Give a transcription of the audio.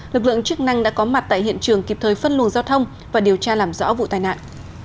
lực lượng chức năng đã có mặt tại hiện trường kịp thời phân luồng giao thông và điều tra làm rõ vụ tai nạn